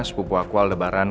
sepupu aku aldebaran